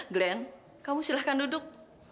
glenn kamu silahkan duduk